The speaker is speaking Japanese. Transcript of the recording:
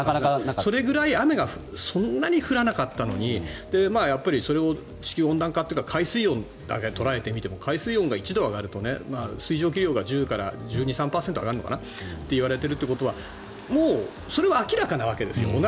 それぐらい雨がそんなに降らなかったのにそれを地球温暖化というか海水温だけを捉えて見ても海水温が１度上がると水蒸気流が１２１３％上がるといわれているということはもう、それは明らかなわけですよ。